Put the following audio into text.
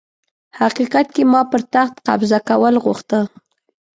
حقيقت کي ما پر تخت قبضه کول غوښته